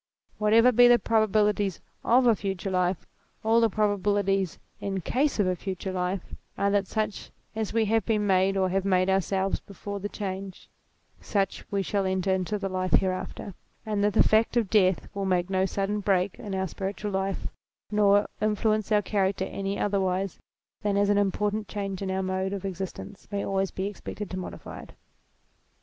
Whatever be the probabilities of a future life, all the probabilities in case of a future life are that such as we have been made or have made ourselves before the change, such we shall enter into the life hereafter ; and that the fact of death will make no sudden break in our spiritual life, nor influence our character any otherwise than as any important change in our mode of existence may always be expected to modify it.